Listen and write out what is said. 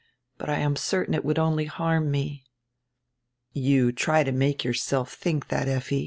But I am certain it w r ould only harm me." "You try to make yourself think that, Effi."